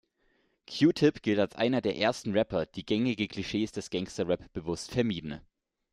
Q-Tip gilt als einer der ersten Rapper, die gängige Klischees des Gangsta-Rap bewusst vermieden.